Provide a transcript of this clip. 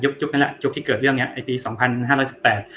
ยุคนั้นอ่ะยุคที่เกิดเรื่องเนี้ยไอ้ปีสองพันห้าร้อยสิบแปด